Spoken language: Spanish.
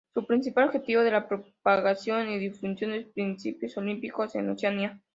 Su principal objetivo es la propagación y difusión de los principios olímpicos en Oceanía.